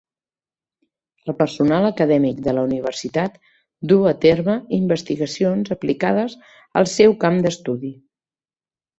El personal acadèmic de la universitat du a terme investigacions aplicades al seu camp d'estudi.